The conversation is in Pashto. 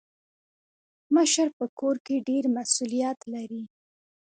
مشر په کور کي ډير مسولیت لري.